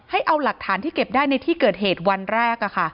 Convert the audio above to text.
ให้เอาหลักฐานที่เก็บได้ในที่เกิดเหตุวันแรก